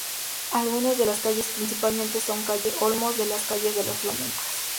Algunas de las calles principales son calle Olmos o calle Los Flamencos.